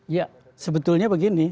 ya sebetulnya begini